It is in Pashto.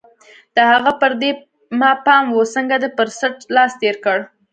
د هغه پر دې ما پام و، څنګه دې پر څټ لاس تېر کړ؟